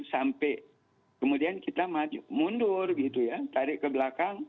sampai kemudian kita mundur tarik ke belakang